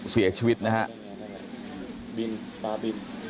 พ่อขอบคุณครับ